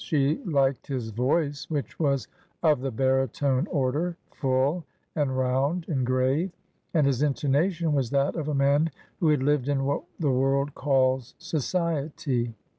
She liked his voice, which was of the baritone order, full, and round, and grave, and his intonation was that of a man who had lived in what the world calls Society.